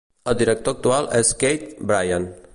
El director actual és Keith Bryant.